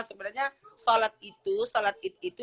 sebenarnya salat itu